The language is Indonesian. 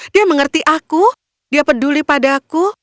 dia mengerti aku dia peduli padaku